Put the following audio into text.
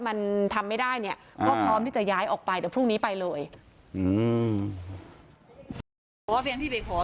มันทำไม่ได้เนี่ยก็พร้อมที่จะย้ายออกไปเดี๋ยวพรุ่งนี้ไปเลยอืม